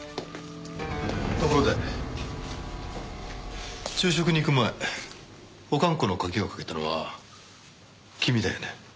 ところで昼食に行く前保管庫の鍵をかけたのは君だよね？